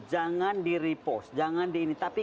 jangan di repost jangan di ini tapi